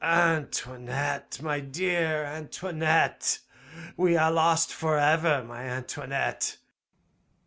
Antoinette! My dear Antoinette! We are lost forever, my Antoinette!